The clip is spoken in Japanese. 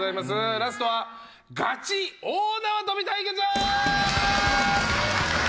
ラストはガチ大縄跳び対決！